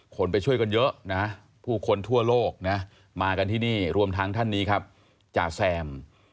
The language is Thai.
คนไปช่วยกันเยอะนะผู้คนทั่วโลกนะมากันที่นี่รวมทั้งท่านนี้ครับจ่าแซม